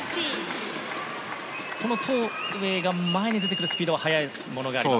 このトー・エーウェイが前に出てくるスピードは速いものがあります。